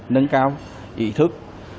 nâng cao ý thức